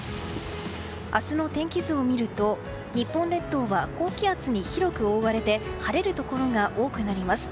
明日の天気図を見ると日本列島は高気圧に広く覆われて晴れるところが多くなります。